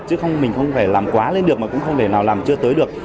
chứ mình không phải làm quá lên được mà cũng không phải nào làm chưa tới được